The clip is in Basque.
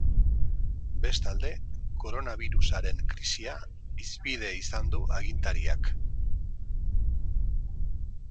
Bestalde, koronabirusaren krisia hizpide izan du agintariak.